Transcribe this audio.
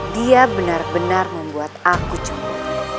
dia benar benar membuat aku cukup